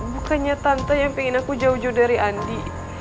bukannya tante yang pengen aku jauh jauh dari andi